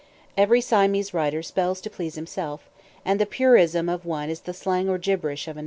Every Siamese writer spells to please himself, and the purism of one is the slang or gibberish of another.